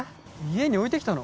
家に置いてきたの？